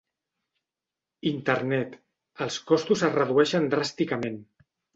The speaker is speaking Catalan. Internet, els costos es redueixen dràsticament.